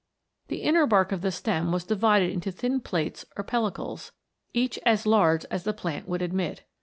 The inner bark of the stem was divided into thin plates or pellicles, each as large as the plant would admit.